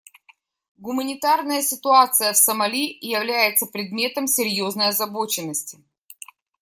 Гуманитарная ситуация в Сомали является предметом серьезной озабоченности.